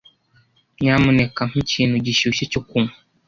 Nyamuneka mpa ikintu gishyushye cyo kunywa.